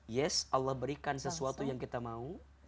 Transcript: yes allah berikan sesuatu yang kita mau